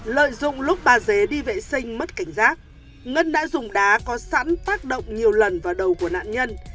lợi dụng lúc bà dế đi vệ sinh mất cảnh giác ngân đã dùng đá có sẵn tác động nhiều lần vào đầu của nạn nhân